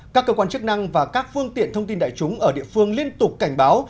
các cơ quan chức năng và các phương tiện thông tin đại chúng ở địa phương liên tục cảnh báo